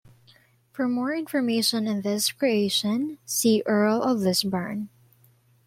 For more information on this creation, see Earl of Lisburne.